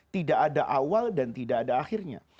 tidak ada awal dan tidak ada akhirnya